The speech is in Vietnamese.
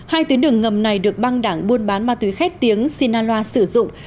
hai tuyến đường ngầm này được băng đảng buôn bán ma túy khét tiếng sinaloa sử dụng